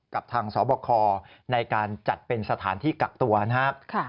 กับทางสบคในการจัดเป็นสถานที่กักตัวนะครับ